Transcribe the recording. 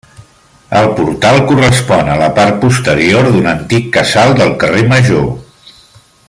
El portal correspon a la part posterior d'un antic casal del carrer Major.